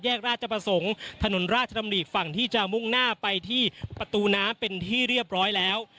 ราชประสงค์ถนนราชดำริฝั่งที่จะมุ่งหน้าไปที่ประตูน้ำเป็นที่เรียบร้อยแล้ว